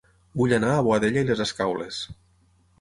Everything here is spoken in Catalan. Vull anar a Boadella i les Escaules